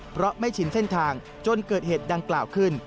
เพราะไม่ชินเส้นทางจนเกิดเหตุดังกล่าวขึ้น